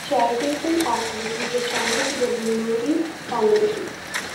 His charitable activities were channeled through the Lurie Foundation.